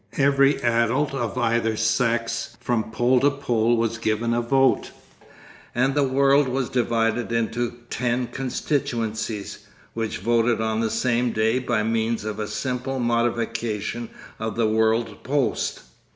Every adult of either sex from pole to pole was given a vote, and the world was divided into ten constituencies, which voted on the same day by means of a simple modification of the world post.